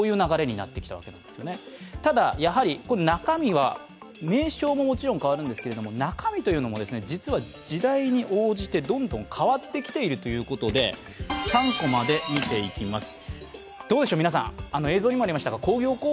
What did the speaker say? ただ、名称ももちろん変わるんですけど、中身も実は時代に応じてどんどん変わってきているということで３コマで見ていきます。